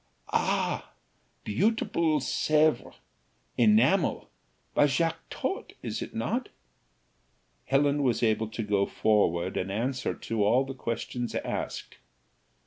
"Ha! beautiful! Sêvre! enamel by Jaquetot, is it not?" Helen was able to go forward, and answer to all the questions asked.